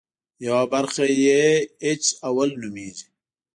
یوه برخه یې اېچ اول نومېږي.